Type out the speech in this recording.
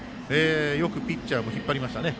よくピッチャーも引っ張りましたね。